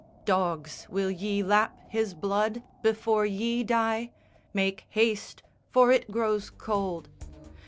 "Dogs, will ye lap his blood Before ye die? Make haste; for it grows cold!